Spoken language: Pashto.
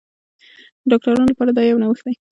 ډاکټرانو لپاره دا یو نوښت دی.